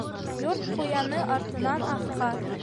ЙОРТ ҠУЯНЫ АРТЫНАН - АҪҠА